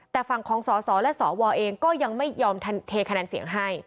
แต่ฝั่งของสสและสวเองก็ยังไม่ยอมเทคะแนนเสียงให้